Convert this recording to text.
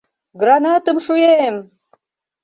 — Гранатым шуэм!..